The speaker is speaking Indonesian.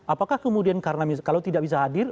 apakah kemudian karena kalau tidak bisa hadir